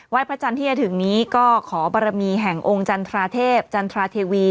พระจันทร์ที่จะถึงนี้ก็ขอบรมีแห่งองค์จันทราเทพจันทราเทวี